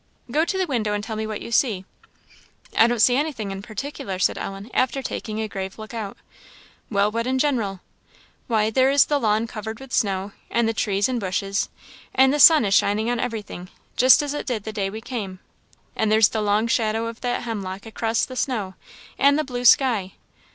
"Go to the window, and tell me what you see." "I don't see anything in particular," said Ellen, after taking a grave look out. "Well, what in general?" "Why, there is the lawn covered with snow, and the trees and bushes; and the sun is shining on everything, just as it did the day we came; and there's the long shadow of that hemlock across the snow, and the blue sky."